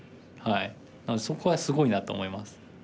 なのでそこはすごいなと思います。